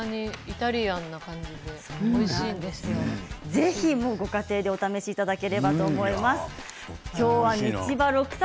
ぜひご家庭でお試しいただければと思います。